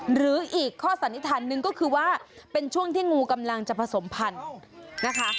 หรืออีกข้อสันนิษฐานหนึ่งก็คือว่าเป็นช่วงที่งูกำลังจะผสมพันธุ์นะคะ